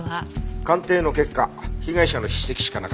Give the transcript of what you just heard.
鑑定の結果被害者の筆跡しかなかった。